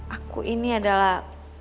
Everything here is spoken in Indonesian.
aku ini adalah